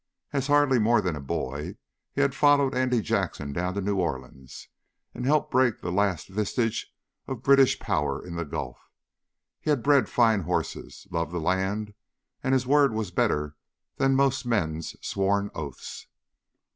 As hardly more than a boy he had followed Andy Jackson down to New Orleans and helped break the last vestige of British power in the Gulf. He had bred fine horses, loved the land, and his word was better than most men's sworn oaths.